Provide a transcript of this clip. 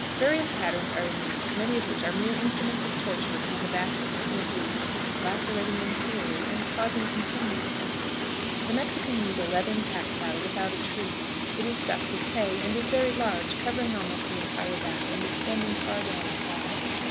Various patterns are in use, many of which are mere instruments of torture upon the backs of the poor brutes, lacerating them cruelly, and causing continued pain. The Mexicans use a leathern pack saddle without a tree. It is stuffed with hay, and is very large, covering almost the entire back, and extending far down the sides.